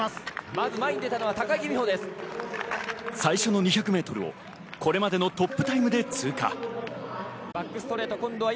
最初の２００メートルをこれまでのトップタイムで通過。